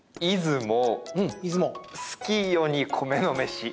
出雲、好きよに、米の飯。